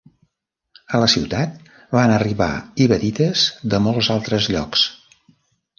A la ciutat, van arribar ibadites de molts altres llocs.